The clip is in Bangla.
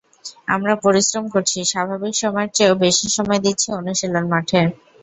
আমরা পরিশ্রম করছি, স্বাভাবিক সময়ের চেয়েও বেশি সময় দিচ্ছি অনুশীলন মাঠে।